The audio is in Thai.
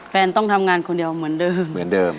แฟนต้องทำงานคนเดียวเหมือนเดิม